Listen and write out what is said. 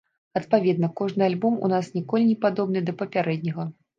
Адпаведна, кожны альбом у нас ніколі не падобны да папярэдняга.